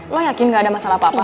lo yakin gak ada masalah apa apa